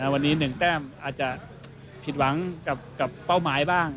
วันนี้๑แต้มอาจจะผิดหวังกับเป้าหมายบ้าง